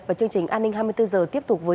và chương trình an ninh hai mươi bốn h tiếp tục với